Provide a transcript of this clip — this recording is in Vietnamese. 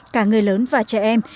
cả người lớn và trẻ em